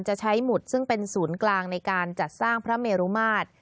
จะใช้หมุดซึ่งเป็นศูนย์กลางในการจัดสร้างพระเมรุมาตร